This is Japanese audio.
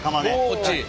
こっち。